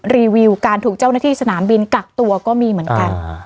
รีวิวการถูกเจ้าหน้าที่สนามบินกักตัวก็มีเหมือนกัน